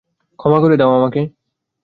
ক্ষমা করে দাও আমাকে।